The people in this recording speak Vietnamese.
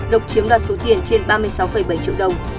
lộc chiếm đoạt số tiền trên ba mươi sáu bảy triệu đồng